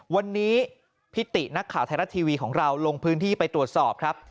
วันนี้พิตินักข่าวไทยรัฐทีวีของเราลงพื้นที่ไปตรวจสอบครับ